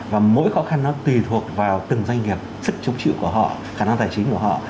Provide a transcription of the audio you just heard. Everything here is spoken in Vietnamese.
và mỗi khó khăn nó tùy thuộc vào từng doanh nghiệp sức chống chịu của họ khả năng tài chính của họ